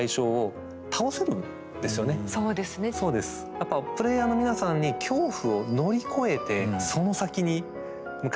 やっぱプレイヤーの皆さんに恐怖を乗り越えてその先に向かっていく。